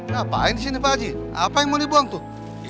ngapain disini pak haji apa yang mau dibuang tuh